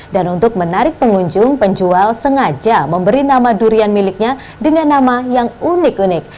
dan untuk menarik pengunjung penjual sengaja memberi nama durian miliknya dengan nama yang unik unik